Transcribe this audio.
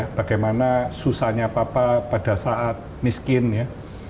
dan bagaimana susahnya papa pada saat miskin ya